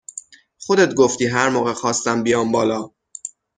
خودت گفتی هر موقع خواستم بیام بالا